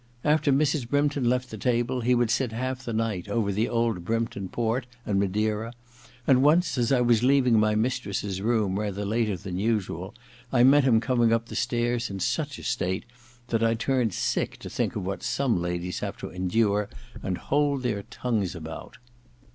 After II THE LADTS MAlD^S BELL 133 Mrs. Brympton left the table he would sit half the night over the old Brympton port and madeira, and once, as I was leaving my mistress's room rather later than usual, I met him coming up the stairs in such a state that I turned sick to think of what some ladies have to endure and hold their tongues about.